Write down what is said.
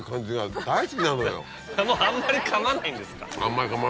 あんまり噛まないんですか？